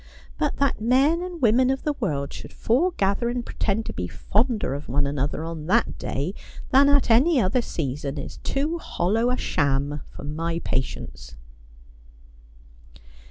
But that men and women of the world should foregather and pretend to be fonder of one another on that day than at any other season is too hollow a sham for my patience.'